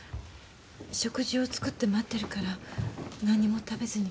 「食事を作って待ってるから何も食べずに帰って来い」って。